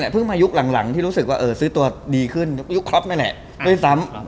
เพิ่งมายุคหลังที่รู้สึกซื้อตัวดีขึ้นยุคคลอปนั้นแหละ